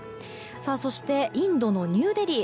そして、インドのニューデリー。